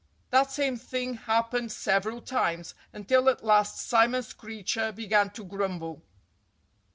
That same thing happened several times; until at last Simon Screecher began to grumble.